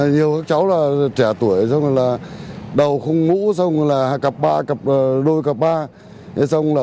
nhiều các cháu trẻ tuổi đầu không ngủ cặp ba đôi cặp ba